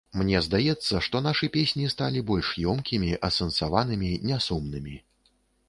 Мне здаецца, што нашы песні сталі больш ёмкімі, асэнсаванымі, нясумнымі.